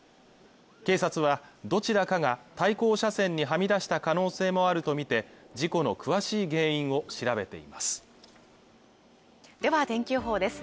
警察はどちらかが対向車線にはみ出した可能性もあるとみて事故の詳しい原因を調べていますでは天気予報です